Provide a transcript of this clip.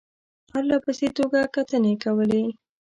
پرله پسې توګه کتنې کولې.